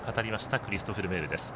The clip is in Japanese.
クリストフ・ルメールです。